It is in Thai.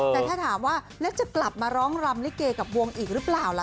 แต่ถ้าถามว่าแล้วจะกลับมาร้องรำลิเกกับวงอีกหรือเปล่าล่ะ